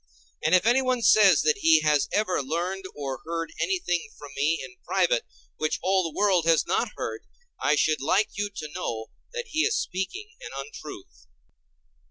And if anyone says that he has ever learned or heard anything from me in private which all the world has not heard, I should like you to know that he is speaking an untruth.